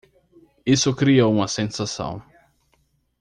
Isso criou uma sensação!